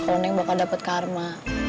kalau neng bakal dapat karma